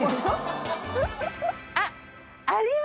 あっ！